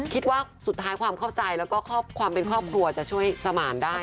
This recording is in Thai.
คิดว่าสุดท้ายความเข้าใจแล้วก็ความเป็นครอบครัวจะช่วยสมานได้